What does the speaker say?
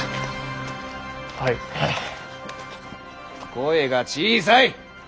声が小さい！